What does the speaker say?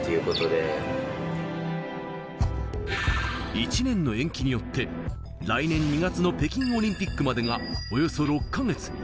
１年の延期によって、来年２月の北京オリンピックまでがおよそ６か月。